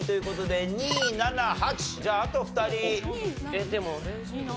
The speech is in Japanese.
えっでも。